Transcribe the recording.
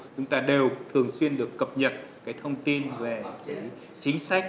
chúng ta đều thường xuyên được cập nhật cái thông tin về cái chính sách